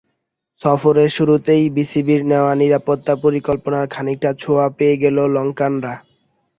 সফরের শুরুতেই বিসিবির নেওয়া নিরাপত্তা পরিকল্পনার খানিকটা ছোঁয়া পেয়ে গেল লঙ্কানরা।